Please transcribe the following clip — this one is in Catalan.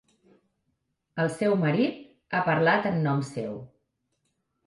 El seu marit ha parlat en nom seu.